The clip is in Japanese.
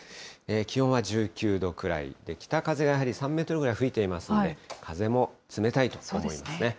気温は１９度くらい、北風がやはり３メートルぐらい吹いていますので、風も冷たいと思いますね。